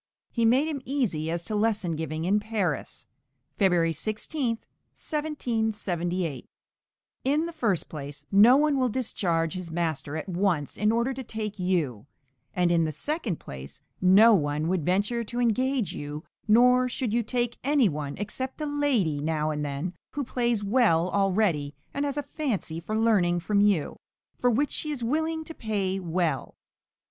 He made him easy as to lesson giving in Paris (February 16, 1778) In the first place, no one will discharge his master at once in order to take you; and, in the second place, no one would venture to engage you, nor should you take any one, except a lady, now and then, who plays well already and has a fancy for learning from you, for which she is willing to pay well.